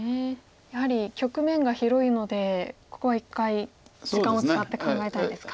やはり局面が広いのでここは１回時間を使って考えたいですか。